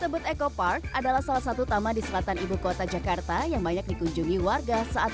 tebet eco park adalah salah satu taman di selatan ibu kota jakarta yang banyak dikunjungi warga saat